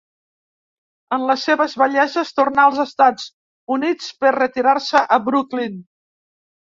En les seves velleses tornà als Estats Units per retirar-se a Brooklyn.